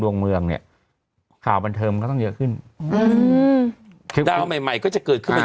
ดวงเมืองเนี่ยเขาบรรเทิมก็ต้องเยอะขึ้นอือดาวหมายก็จะเกิดขึ้นใหม่